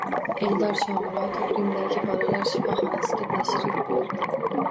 Eldor Shomurodov Rimdagi bolalar shifoxonasiga tashrif buyurdi